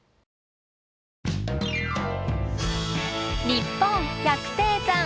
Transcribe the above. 「にっぽん百低山」。